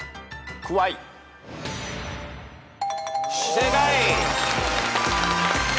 正解。